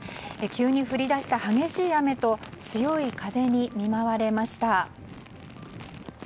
急に降り出した激しい雨と強い風に見舞われました。